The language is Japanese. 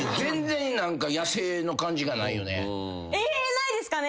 ないですかね？